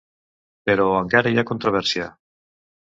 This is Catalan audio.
Però encara hi ha controvèrsia.